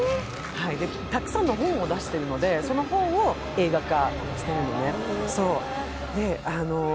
たくさんの本を出しているので、その本を映画化しているのね。